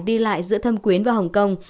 đi lại giữa thâm quyến và hồng kông